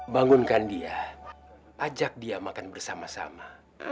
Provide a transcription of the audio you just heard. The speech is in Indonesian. bangunkan dia ajak dia makan bersama sama